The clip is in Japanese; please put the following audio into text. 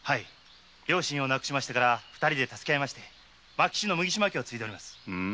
両親を亡くしてから二人で助け合いまして牧士の麦島家を継いでおります。